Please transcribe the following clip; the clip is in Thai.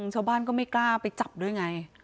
ชาวบ้านก็ไม่กล้าไปจับด้วยไง